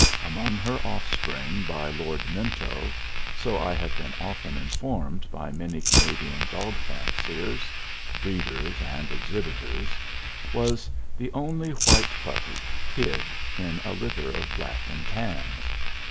Among her offspring by Lord Minto, so I have been often informed by many Canadian dog fanciers, breeders, and exhibitors, was the only white puppy, Kid, in a litter of black and tans.